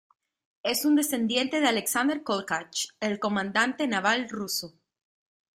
Es un descendiente de Alexander Kolchak, el comandante naval ruso.